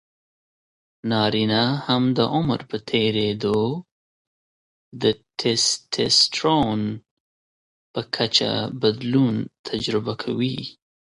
نارینه هم د عمر په تېریدو د ټیسټسټرون په کچه بدلون تجربه کوي.